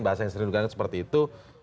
bahasa yang sering digunakan seperti itu